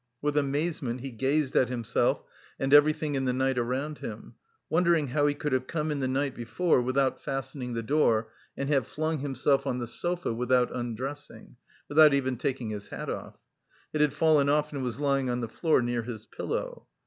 With amazement he gazed at himself and everything in the room around him, wondering how he could have come in the night before without fastening the door, and have flung himself on the sofa without undressing, without even taking his hat off. It had fallen off and was lying on the floor near his pillow.